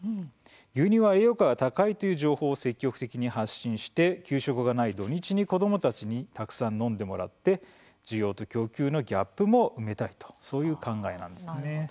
牛乳は栄養価が高いという情報を積極的に発信して給食がない土日に子どもたちにたくさん飲んでもらって需要と供給のギャップも埋めたいと、そういう考えなんです。